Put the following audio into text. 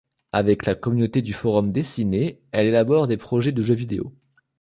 Avec la communauté du Forum dessiné, elle élabore des projets de jeux vidéo.